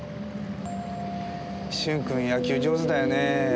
君野球上手だよね。